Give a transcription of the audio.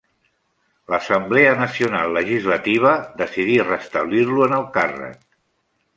L'Assemblea Nacional Legislativa decidí restablir-lo en el càrrec.